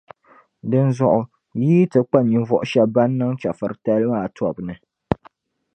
Dinzuɣu yi yi ti kpa ninvuɣu shɛba ban niŋ chεfuritali maa tobu ni